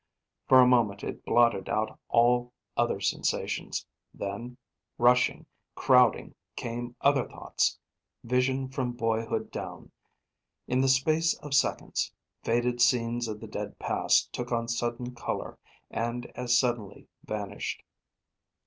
For a moment it blotted out all other sensations; then, rushing, crowding came other thoughts, vision from boyhood down. In the space of seconds, faded scenes of the dead past took on sudden color and as suddenly vanished.